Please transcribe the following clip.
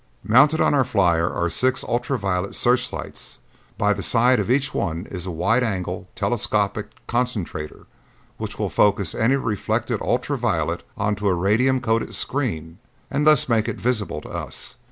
"Mounted on our flyer are six ultra violet searchlights. By the side of each one is a wide angle telescopic concentrator which will focus any reflected ultra violet onto a radium coated screen and thus make it visible to us.